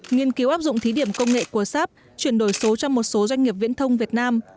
nghiên cứu áp dụng thí điểm công nghệ của sáp chuyển đổi số cho một số doanh nghiệp viễn thông việt nam